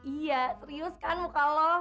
iya serius kan muka